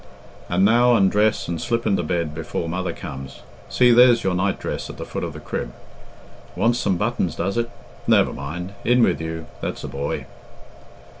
And now undress and slip into bed before mother comes. See, there's your night dress at the foot of the crib. Wants some buttons, does it? Never mind in with you that's a boy."